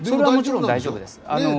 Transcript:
もちろん大丈夫です。